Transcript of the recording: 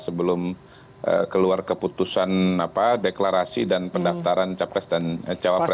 sebelum keluar keputusan deklarasi dan pendaftaran capres dan cawapres